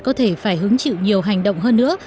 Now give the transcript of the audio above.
có thể phải hứng chịu nhiều hành động hơn nữa